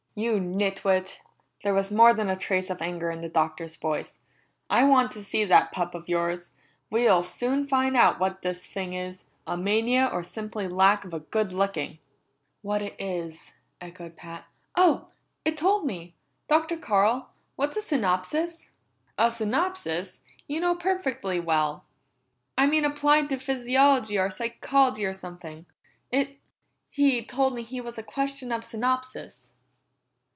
"You nit wit!" There was more than a trace of anger in the Doctor's voice. "I want to see that pup of yours! We'll soon find out what this thing is a mania or simply lack of a good licking!" "What it is?" echoed Pat. "Oh it told me! Dr. Carl, what's a synopsis?" "A synopsis! You know perfectly well." "I mean applied to physiology or psychology or something. It he told me he was a question of synopsis."